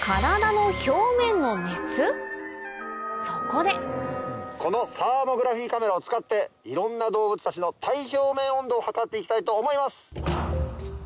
そこでこのサーモグラフィーカメラを使っていろんな動物たちの体表面温度を測って行きたいと思います！